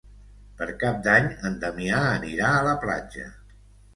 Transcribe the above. Per Cap d'Any en Damià anirà a la platja.